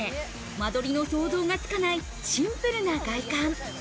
間取りの想像がつかないシンプルな外観。